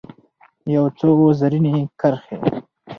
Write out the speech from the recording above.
یو څو رزیني کرښې